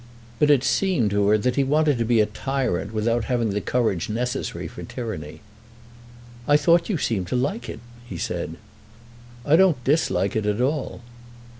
But it seemed to her that he wanted to be a tyrant without having the courage necessary for tyranny. "I thought you seemed to like it," he said. "I don't dislike it at all."